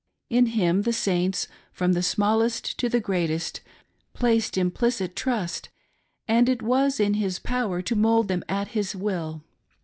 In him the Saints, from the Smallest to the greatest, placed implicit trust, and it was in his power to mould them at his will.